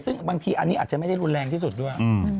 ซึ่งบางทีอันนี้อาจจะไม่ได้รุนแรงที่สุดด้วย